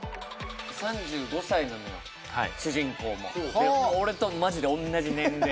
３５歳なのよ主人公もで俺とマジでおんなじ年齢